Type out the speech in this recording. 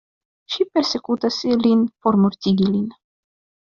Ŝi persekutas lin por mortigi lin.